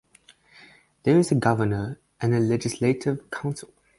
There is a governor and a legislative council.